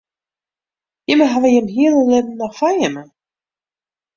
Jimme hawwe jimme hiele libben noch foar jimme.